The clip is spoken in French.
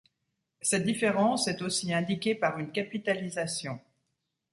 Cette différence est aussi indiquée par une capitalisation.